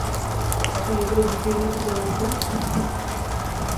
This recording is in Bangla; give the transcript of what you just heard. এখন এগুলো ঢুকিয়ে নে তোর মুখে।